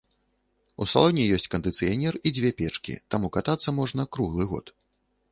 У салоне ёсць кандыцыянер і дзве печкі, таму катацца можна круглы год.